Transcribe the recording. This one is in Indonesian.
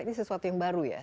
ini sesuatu yang baru ya